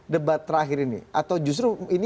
debat terakhir ini atau justru ini